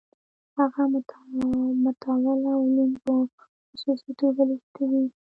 هغه متداوله علوم په خصوصي توګه لوستي دي.